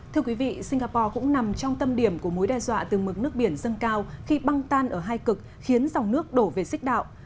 thưa quý vị singapore cũng nằm trong tâm điểm của mối đe dọa từ mức nước biển dâng cao khi băng tan ở hai cực khiến dòng nước đổ về xích đạo